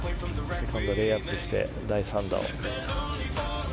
セカンドレイアップして第３打を。